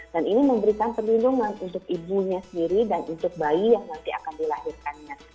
dan ini memberikan perlindungan untuk ibunya sendiri dan untuk bayi yang nanti akan dilahirkannya